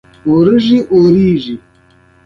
هغه وویل: هغه ځای د معمارۍ لپاره نه دی.